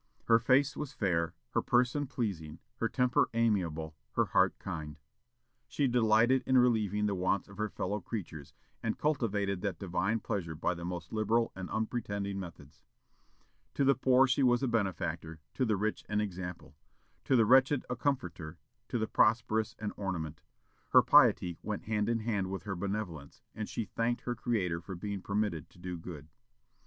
Her face was fair, her person pleasing, her temper amiable, her heart kind; she delighted in relieving the wants of her fellow creatures, and cultivated that divine pleasure by the most liberal and unpretending methods; to the poor she was a benefactor; to the rich an example; to the wretched a comforter; to the prosperous an ornament; her piety went hand in hand with her benevolence, and she thanked her Creator for being permitted to do good.